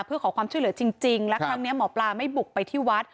เพื่อขอความช่วยเหลือจริงและครั้งนี้หมอปลาไม่บุกไปที่วัด